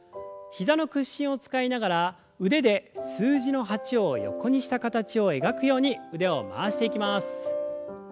膝の屈伸を使いながら腕で数字の８を横にした形を描くように腕を回していきます。